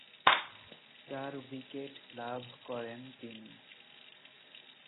চার উইকেট লাভ করেন তিনি।